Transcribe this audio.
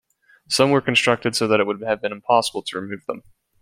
Some were constructed so that it would have been impossible to remove them.